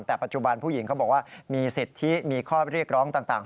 แต่ปัจจุบันผู้หญิงเขาบอกว่ามีสิทธิมีข้อเรียกร้องต่าง